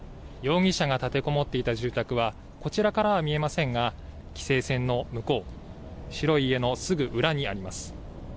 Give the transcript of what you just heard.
容疑者が立てこもっていた住宅はこちらからは見えませんが規制線の向こう、白い家のすぐ裏にあります。